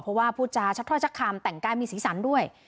เพราะว่าพูดจาชักถ้อยชักคำแต่งกายมีสีสันด้วย